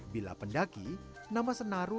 bila pendaki nama senaru